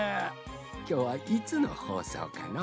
きょうはいつのほうそうかのう？